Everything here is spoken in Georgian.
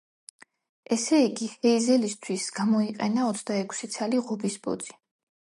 ესე იგი, ჰეიზელისთვის გამოიყენა ოცდაექვსი ცალი ღობის ბოძი.